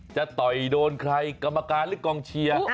จะต่อยโดนใครกรรมการหรือกองเชียร์